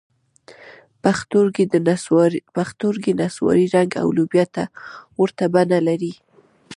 پښتورګي نسواري رنګ او لوبیا ته ورته بڼه لري.